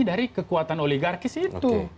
dari kekuatan oligarkis itu